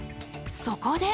そこで！